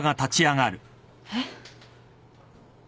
えっ？